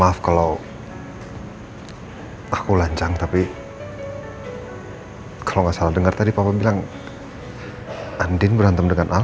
maaf kalau aku lancang tapi kalau nggak salah dengar tadi papa bilang andin berantem dengan ahok